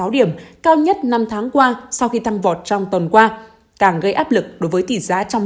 sáu điểm cao nhất năm tháng qua sau khi tăng vọt trong tuần qua càng gây áp lực đối với tỷ giá trong